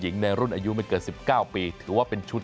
ยิงในรุ่นอายุไม่เกินสิบเก้าปีถือว่าเป็นชุด